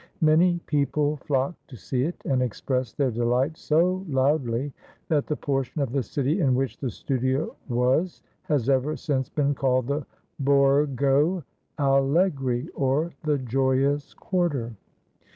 Many people flocked to see it, and expressed their delight so loudly that the portion of the city in which the studio was has ever since been called the Borgo Alle gri, or "the joyous quarter."